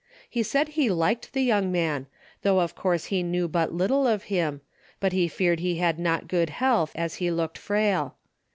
He said he liked the young man, though of course he kneAV but little of him, but he feared he had not good health, as he looked frail.